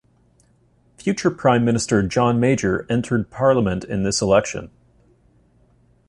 Future Prime Minister John Major entered Parliament in this election.